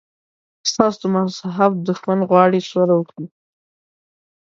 ستاسو د مذهب دښمن غواړي سوله وکړي.